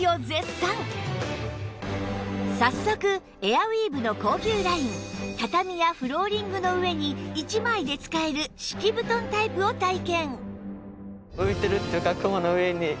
早速エアウィーヴの高級ライン畳やフローリングの上に１枚で使える敷き布団タイプを体験